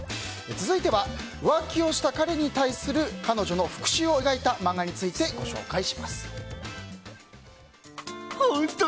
続いては浮気をした彼に対する彼女の復讐を描いた漫画についてご紹介します。